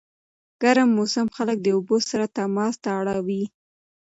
ګرم موسم خلک د اوبو سره تماس ته اړوي.